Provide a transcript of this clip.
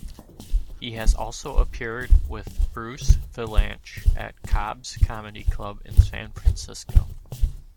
He has also appeared with Bruce Vilanch at Cobb's Comedy Club, in San Francisco.